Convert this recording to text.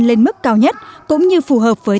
lên mức cao nhất cũng như phù hợp với